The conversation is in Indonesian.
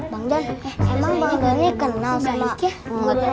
bang jan emang bang jan ini kenal sama pengguna bang opi